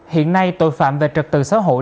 hiện nay tội phạm về trật tự xã hội